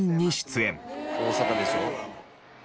大阪でしょ？